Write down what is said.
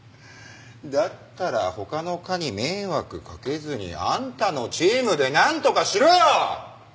だったら他の課に迷惑かけずにあんたのチームでなんとかしろよ！